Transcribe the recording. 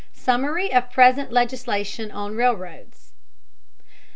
SUMMARY OF PRESENT LEGISLATION ON RAILROADS.